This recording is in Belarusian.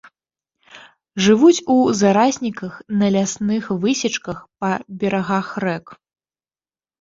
Жывуць у зарасніках, на лясных высечках, па берагах рэк.